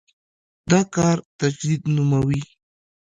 دا کار تجدید نوموي.